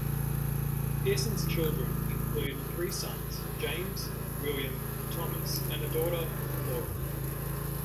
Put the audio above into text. Pearson's children include three sons, James, William and Thomas, and a daughter, Laura.